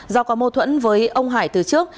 do có mâu thuẫn với ông hải từ trước